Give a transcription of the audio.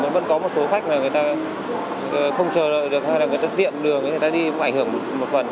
vẫn có một số khách là người ta không chờ đợi được hay là người ta tiện đường người ta đi ảnh hưởng một phần